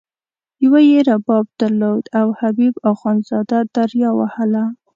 یوه یې رباب درلود او حبیب اخندزاده دریا وهله.